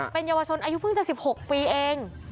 เป็นเยาวชนอายุเพิ่งจะ๑๖ปีเอง